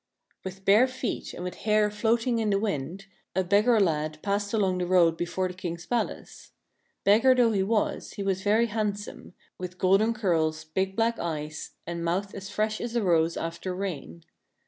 ¥ W ITH bare feet and with hair floating in the wind, a beggar lad passed along the road be fore the King's palace. Beggar though he was, he was very handsome, with golden curls, big black eyes, and mouth as fresh as a rose after rain.